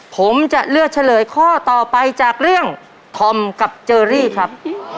ผมจะเลือกเฉลยข้อต่อไปจากเรื่องธอมกับเจอรี่ครับ